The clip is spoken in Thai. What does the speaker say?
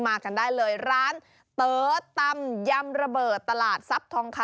มากันได้เลยร้านเต๋อตำยำระเบิดตลาดทรัพย์ทองคำ